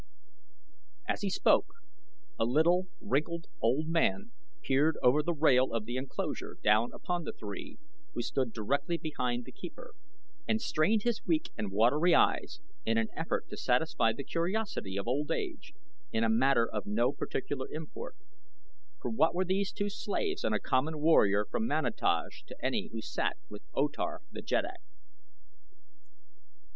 As he spoke, a little, wrinkled, old man peered over the rail of the enclosure down upon the three who stood directly behind The Keeper, and strained his weak and watery eyes in an effort to satisfy the curiosity of old age in a matter of no particular import, for what were two slaves and a common warrior from Manataj to any who sat with O Tar the jeddak?